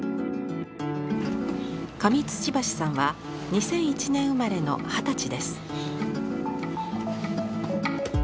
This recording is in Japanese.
上土橋さんは２００１年生まれの二十歳です。